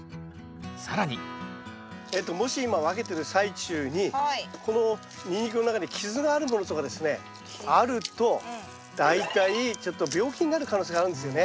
更にもし今分けてる最中にこのニンニクの中に傷があるものとかですねあると大体ちょっと病気になる可能性があるんですよね。